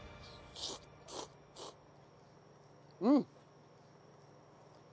うん！